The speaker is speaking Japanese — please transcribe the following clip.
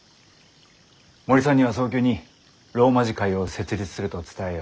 森さんには早急に羅馬字会を設立すると伝えよう。